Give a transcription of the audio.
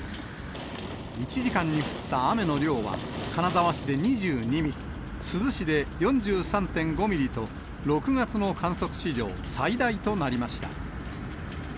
１時間に降った雨の量は、金沢市で２２ミリ、珠洲市で４３．５ミリと、６月の観測史上最大となりました。